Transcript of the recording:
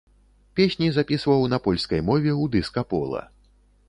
Песні запісваў на польскай мове ў дыска-пола.